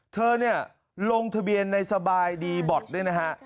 เธอลงทะเบียนในสบายดีบอทด้วยนะฮะ